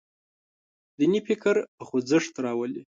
دیني فکر په خوځښت راولي.